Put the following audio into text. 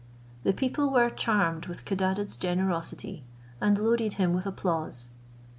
The people were charmed with Codadad's generosity, and loaded him with applause.